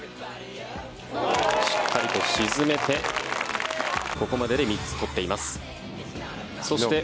しっかりと沈めてここまでで３つ取っています。